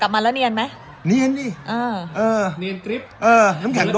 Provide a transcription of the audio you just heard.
กลับมาแล้วเนียนมั้ย